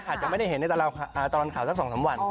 อาจจะไม่ได้เห็นในตลอดข่าวสัก๒๓วัน